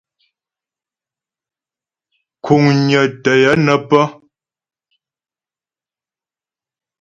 Kuŋnyə tə́ yə nə́ pə́.